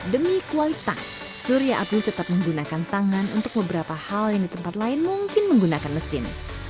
demi kualitas surya abdul tetap menggunakan tangan untuk beberapa hal yang di tempat lain mungkin menggunakan mesin